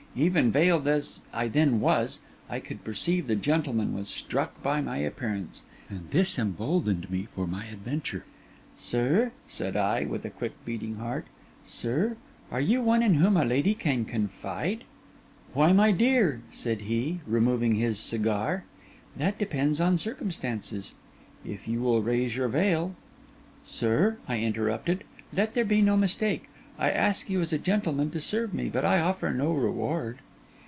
Even veiled as I then was, I could perceive the gentleman was struck by my appearance: and this emboldened me for my adventure. 'Sir,' said I, with a quickly beating heart, 'sir, are you one in whom a lady can confide?' 'Why, my dear,' said he, removing his cigar, 'that depends on circumstances. If you will raise your veil—' 'Sir,' I interrupted, 'let there be no mistake. I ask you, as a gentleman, to serve me, but I offer no reward.